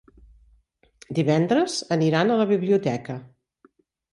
Divendres aniran a la biblioteca.